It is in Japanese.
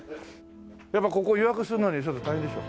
やっぱここ予約するのにちょっと大変でしょ？